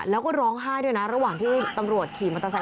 แล้วก็ร้องไห้ด้วยนะระหว่างที่ตำรวจขี่มอเตอร์ไซค